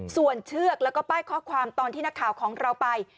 ส่วนเชือกแล้วก็ป้ายข้อความตอนที่นักข่าวของเราไป